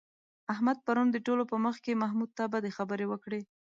احمد پرون د ټولو په مخ کې محمود ته بدې خبرې وکړې.